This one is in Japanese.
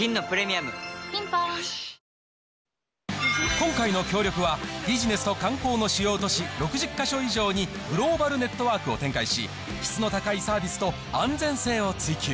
今回の協力は、ビジネスと観光の主要都市、６０か所以上にグローバルネットワークを展開し、質の高いサービスと安全性を追求。